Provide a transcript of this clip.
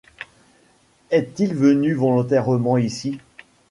Est-il venu volontairement ici ?